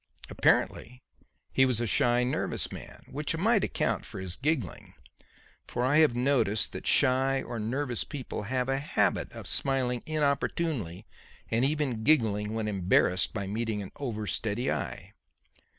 Apparently he was a shy, nervous man, which might account for his giggling; for I have noticed that shy or nervous people have a habit of smiling inopportunely and even giggling when embarrassed by meeting an over steady eye.